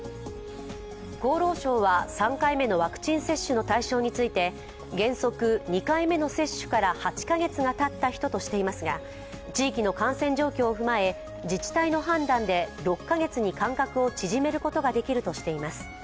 厚労省は３回目のワクチン接種の対象について原則２回目の接種から８カ月がたった人としていますが地域の感染状況を踏まえ自治体の判断で６カ月に間隔を縮めることができるとしています。